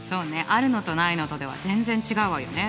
あるのとないのとでは全然違うわよね。